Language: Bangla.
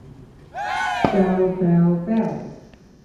প্যাও, প্যাও, প্যাও!